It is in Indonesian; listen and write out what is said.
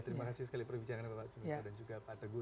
terima kasih sekali perbicaraan bapak suminto dan juga pak teguh